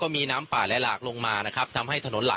ตอนนี้ผมอยู่ในพื้นที่อำเภอโขงเจียมจังหวัดอุบลราชธานีนะครับ